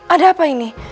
ada apa ini